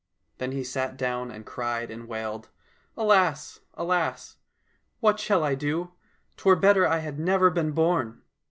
Then he sat down and cried and wailed, " Alas, alas ! what shall I do ? 'Twere better I had never been born